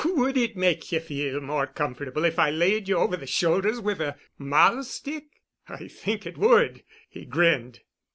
"Would it make you feel more comfortable if I laid you over the shoulders with a mahl stick?" "I think it would," he grinned.